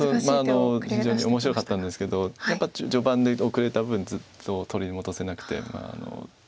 まあ非常に面白かったんですけどやっぱり序盤で後れた分ずっと取り戻せなくて。